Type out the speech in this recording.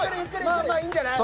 まあまあいいんじゃない？